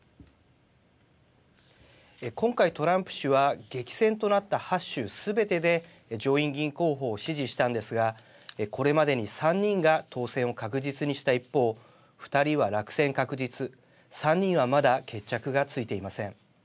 今回トランプ氏は激戦となった８州すべてで上院議員候補を支持したんですがこれまでに３人が当選を確実にした一方２人は落選確実３人はまだ決着がついていません。